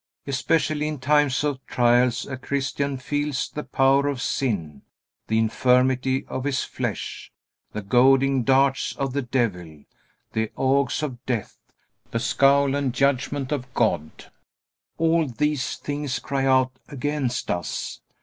Especially in times of trials a Christian feels the power of sin, the infirmity of his flesh, the goading darts of the devil, the agues of death, the scowl and judgment of God. All these things cry out against us.